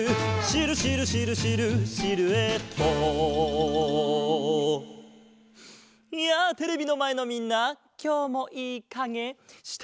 「シルシルシルシルシルエット」やあテレビのまえのみんなきょうもいいかげしてるか？